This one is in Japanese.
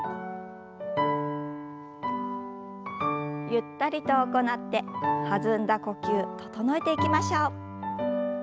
ゆったりと行って弾んだ呼吸整えていきましょう。